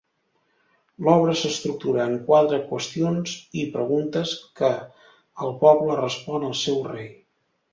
L'obra s'estructura en quatre qüestions i preguntes que el poble respon al seu rei.